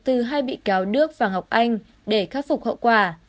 từ hai bị cáo đức và ngọc anh để khắc phục hậu quả